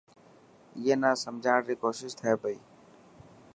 اي نا سمجھاڻ ري ڪوشش ٿي پئي.